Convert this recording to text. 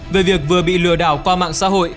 về việc vừa bị lừa đảo qua mạng xã hội